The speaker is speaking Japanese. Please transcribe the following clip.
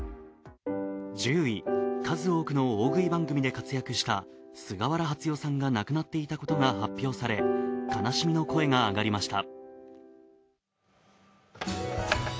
１０位、数多くの大食い番組で活躍した菅原初代さんが亡くなっていたことが発表され、悲しみの声が上がりました。